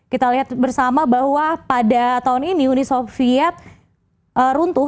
kita lihat bersama bahwa pada tahun ini uni soviet runtuh